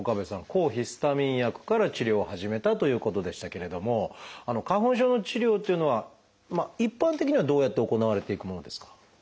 抗ヒスタミン薬から治療を始めたということでしたけれども花粉症の治療というのは一般的にはどうやって行われていくものですか？